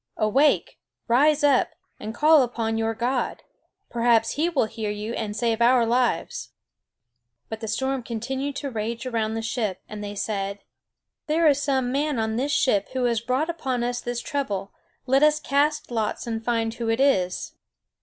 Awake, rise up, and call upon your God. Perhaps He will hear you and save our lives." But the storm continued to rage around the ship; and they said: "There is some man on this ship who has brought upon us this trouble. Let us cast lots and find who it is."